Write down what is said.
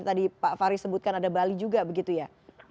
tadi pak fahri sebutkan ada bali juga begitu ya